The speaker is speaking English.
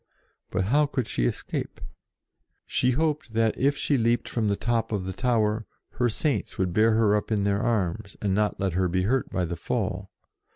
But how could she escape? She hoped that, if she leaped from the top of the tower, her Saints would bear her up in their arms, and not let her be hurt by the fall.